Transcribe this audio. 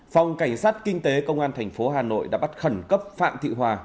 phòng cảnh sát kinh tế công an thành phố hà nội đã bắt khẩn cấp phạm thị hòa